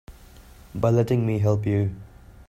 By letting me help you.